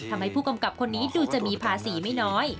ทำให้ผู้กำกับคนนี้ดูจะมีภาษีไม่น้อย